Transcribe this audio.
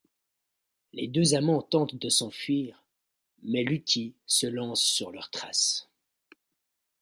Les deux amants tentent de s'enfuir, mais Lucky se lance sur leurs traces.